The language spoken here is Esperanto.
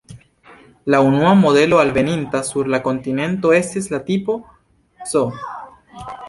La unua modelo alveninta sur la kontinento estis la "Tipo C".